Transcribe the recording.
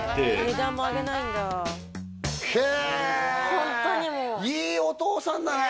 ホントにもういいお父さんだね